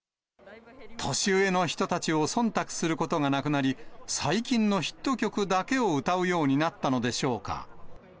年上の人たちをそんたくすることがなくなり、最近のヒット曲だけを歌うようになったのでしょうか。